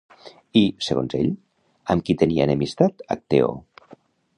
I, segons ell, amb qui tenia enemistat Acteó?